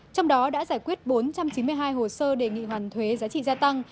trong đó đã giải quyết bốn trăm chín mươi hai hồ sơ đề nghị hoàn thuế giá trị gia tăng